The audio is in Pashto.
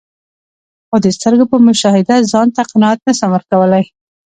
خو د سترګو په مشاهده ځانته قناعت نسم ورکول لای.